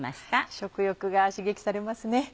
食欲が刺激されますね。